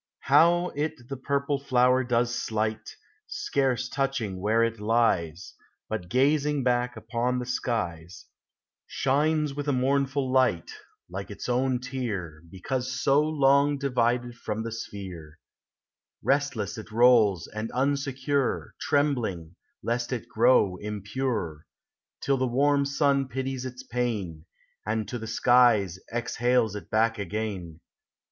How it the purple flower does slight, Scarce touching where it lies; But gazing back upon the skies, Shines with a mournful light, Like its own tear, TEE 8EAS0X X 101 Because so long divided from the sphere; Restless it rolls, and unsecure, Trembling, lest it grow impure, Till the warm sun pities its pain, And to the skies exhales it back again.